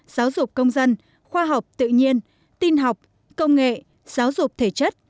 giáo dục công dân khoa học tự nhiên tin học công nghệ giáo dục thể chất